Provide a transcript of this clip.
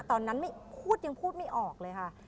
ตอนนั้นไม่พูดยังพูดไม่ออกเลยค่ะ